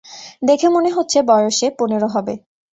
দেখে মনে হচ্ছে, বয়সে পনেরো হবে।